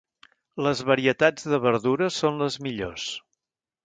Les varietats de verdures són les millors.